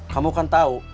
kamu kan tahu